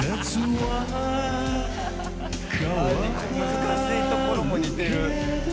難しいところも似てる。